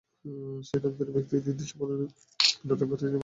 আর সেই নামধারী ব্যক্তি নির্দিষ্ট পদে না থাকায় পদটি হারিয়েছে এ মর্যাদা।